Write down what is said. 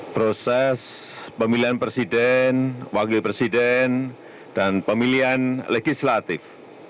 proses pemilihan presiden wakil presiden dan pemilihan legislatif